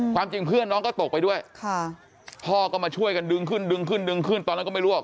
ความจริงเพื่อนน้องก็ตกไปด้วยพ่อก็มาช่วยกันดึงขึ้นดึงขึ้นดึงขึ้นตอนนั้นก็ไม่รู้หรอก